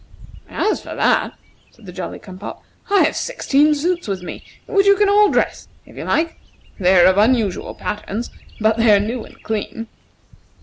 "As for that," said the Jolly cum pop, "I have sixteen suits with me, in which you can all dress, if you like. They are of unusual patterns, but they are new and clean."